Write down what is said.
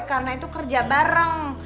karena itu kerja bareng